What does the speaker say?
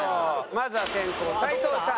まずは先攻斎藤さん。